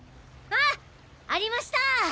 あありました！